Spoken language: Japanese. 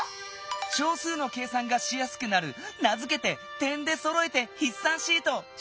小数の計算がしやすくなる名づけて「点でそろえてひっ算シート」！